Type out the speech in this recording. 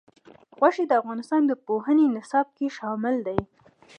غوښې د افغانستان د پوهنې نصاب کې شامل دي.